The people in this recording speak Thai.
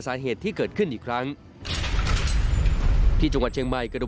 สาเหตุที่เกิดขึ้นอีกครั้งที่จังหวัดเชียงใหม่กระดูก